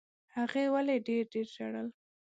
هغې ولي ډېر ډېر ژړل؟